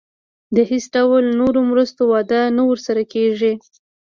د هیڅ ډول نورو مرستو وعده نه ورسره کېږي.